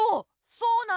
そう！